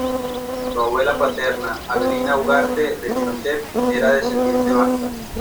Su abuela paterna, Avelina Ugarte de Pinochet, era descendiente vasca.